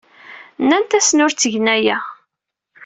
Nnant-asen ur ttgen aya.